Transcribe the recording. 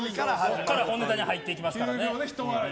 そこから本ネタに入っていきますからね。